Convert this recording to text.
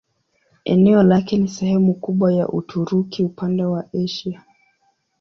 Eneo lake ni sehemu kubwa ya Uturuki upande wa Asia.